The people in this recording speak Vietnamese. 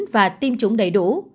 và tiêm chủng đầy đủ